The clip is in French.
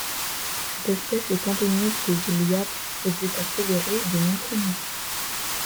Cette espèce est endémique des îles Yap aux États fédérés de Micronésie.